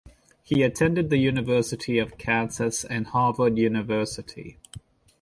He attended the University of Kansas and Harvard University.